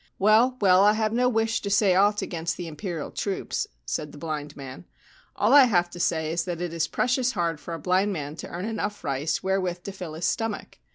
7 ' Well, well, I have no wish to say aught against the Imperial troops/ said the blind man. ' All I have to say is that it is precious hard for a blind man to earn enough rice wherewith to fill his stomach.